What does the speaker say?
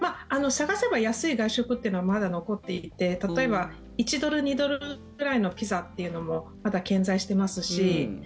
探せば安い外食というのはまだ残っていて例えば１ドル、２ドルぐらいのピザっていうのもまだ健在していますし。